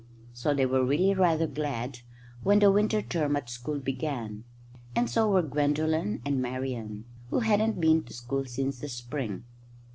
So they were really rather glad when the winter term at school began; and so were Gwendolen and Marian, who hadn't been to school since the spring.